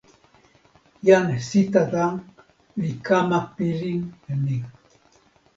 jan Sitata li kama pilin e ni.